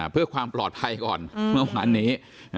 เพื่อความปลอดภัยก่อนเมื่อวานนี้